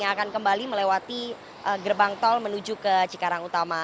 yang akan kembali melewati gerbang tol menuju ke cikarang utama